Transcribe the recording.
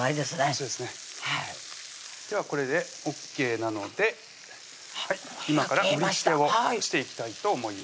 そうですねではこれでＯＫなので今から盛りつけをしていきたいと思います